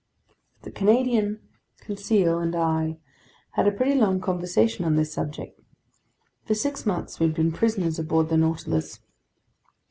The Canadian, Conseil, and I had a pretty long conversation on this subject. For six months we had been prisoners aboard the Nautilus.